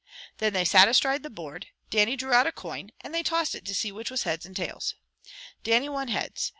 Then they sat astride the board, Dannie drew out a coin, and they tossed it to see which was heads and tails. Dannie won heads.